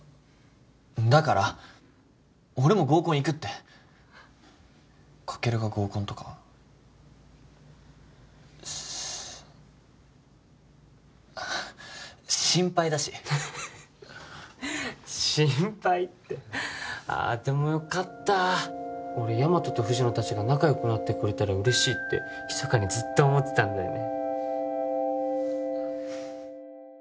だから俺も合コン行くってカケルが合コンとかし心配だし心配ってあでもよかった俺ヤマトと藤野達が仲よくなってくれたら嬉しいってひそかにずっと思ってたんだよね